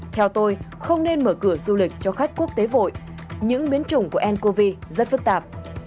theo tôi không nên mở cửa du lịch cho khách quốc tế vội những biến chủng của ncov rất phức tạp